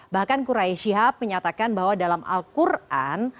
bahkan kurayi shihab menyatakan bahwa dalam al quran